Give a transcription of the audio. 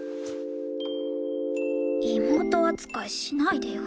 妹扱いしないでよ。